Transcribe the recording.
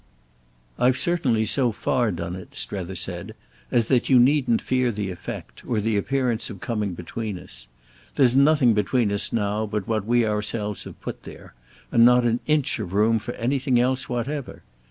"I've certainly so far done it," Strether said, "as that you needn't fear the effect, or the appearance of coming between us. There's nothing between us now but what we ourselves have put there, and not an inch of room for anything else whatever.